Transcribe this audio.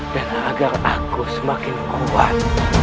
dan agar aku semakin kuat